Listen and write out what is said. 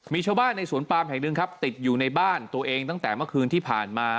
มีชาวบ้านในสวนปามแห่งหนึ่งครับติดอยู่ในบ้านตัวเองตั้งแต่เมื่อคืนที่ผ่านมา